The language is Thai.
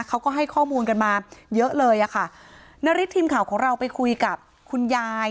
เขาก็ให้ข้อมูลกันมาเยอะเลยอ่ะค่ะนาริสทีมข่าวของเราไปคุยกับคุณยาย